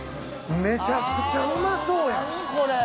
めちゃくちゃうまそうやん何これ？